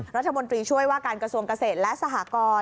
รัฐมนตรีช่วยว่าการกระทรวงเกษตรและสหกร